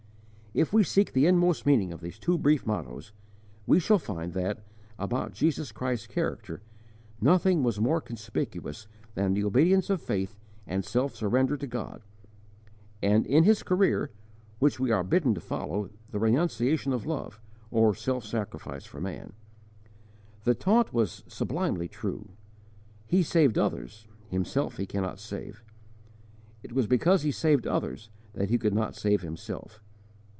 "_ If we seek the inmost meaning of these two brief mottoes, we shall find that, about Jesus Christ's character, nothing was more conspicuous than the obedience of faith and self surrender to God: and in His career, which we are bidden to follow, the renunciation of love, or self sacrifice for man. The taunt was sublimely true: "He saved others, Himself He cannot save"; it was because he saved others that He could not save Himself.